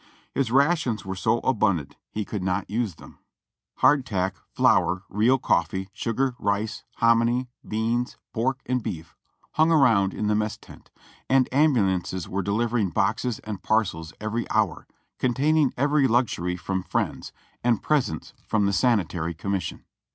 His rations were so abundant he could not use them. Hard CAPTURED 455 tack, flour, real coffee, sugar, rice, hominy, beans, pork and beef hung around in the mess tent, and ambulances were de livering boxes and parcels every hour, containing every luxury from friends, and presents from the "Sanitary Commission."